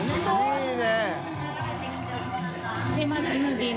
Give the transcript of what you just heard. いいね！